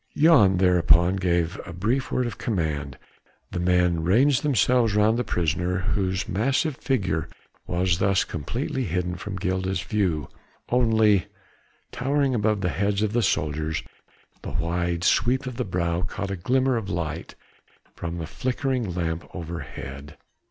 Jan thereupon gave a brief word of command, the men ranged themselves around the prisoner, whose massive figure was thus completely hidden from Gilda's view; only towering above the heads of the soldiers the wide sweep of the brow caught a glimmer of light from the flickering lamp overhead.